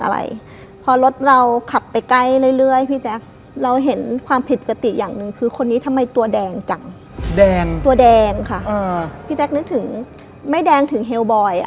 เถอะพอรถเราขับไปใกล้เรื่อยพี่เจ๊เราเห็นความผิดกติอย่างหนึ่งคือคุณที่ทำไมตัวแดงจังแดงตัว